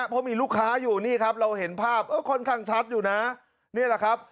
เพราะมีลูกค้าอยู่นี่ครับเราเห็นภาพเออค่อนข้างชัดอยู่นะนี่แหละครับ